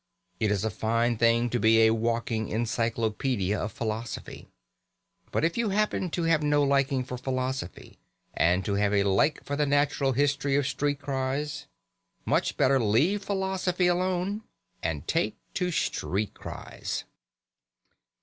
It is a fine thing to be a walking encyclopaedia of philosophy, but if you happen to have no liking for philosophy, and to have a like for the natural history of street cries, much better leave philosophy alone, and take to street cries.